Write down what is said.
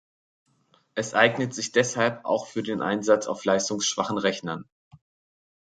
Es eignet sich deshalb auch für den Einsatz auf leistungsschwachen Rechnern.